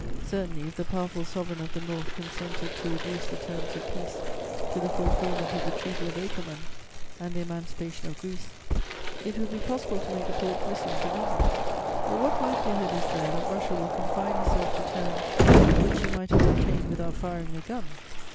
"Certainly, if the powerful Sovereign of the North consented to reduce the terms of peace to the fulfilment of the Treaty of Akerman and the emancipation of Greece, it would be possible to make the Porte listen to reason; but what likelihood is there that Russia will confine herself to terms which she might have obtained without firing a gun?